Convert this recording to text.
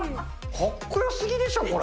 かっこよすぎでしょ、これ。